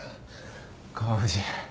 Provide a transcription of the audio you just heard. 川藤。